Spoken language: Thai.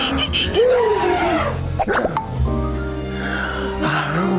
โอ้โห